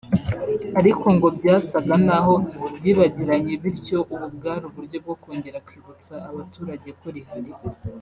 ariko ngo byasaga n’aho ryibagiranye bityo ubu bwari uburyo bwo kongera kwibutsa abaturage ko rihari